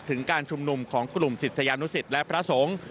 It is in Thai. การชุมนุมของกลุ่มศิษยานุสิตและพระสงฆ์